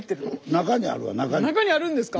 中にあるんですか？